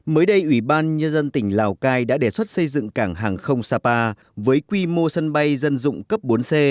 mới đây ủy ban nhân dân tỉnh lào cai đã đề xuất xây dựng cảng hàng không sapa với quy mô sân bay dân dụng cấp bốn c